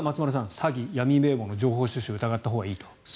詐欺、闇名簿の情報収集を疑ったほうがいいと。